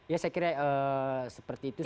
ya saya kira seperti itu sih ya